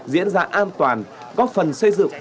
diễn ra an toàn góp phần xây dựng